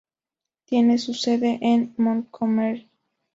Tiene su sede en Montgomery.